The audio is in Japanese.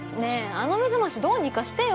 あの目覚ましどうにかしてよ